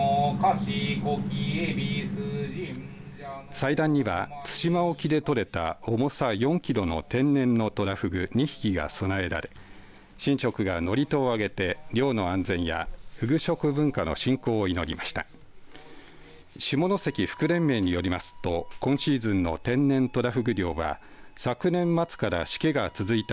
祭壇には対馬沖で取れた重さ４キロの天然のトラフグ２匹が供えられ神職が祝詞を上げて漁の安全やふぐ食文化の振興を祈りました。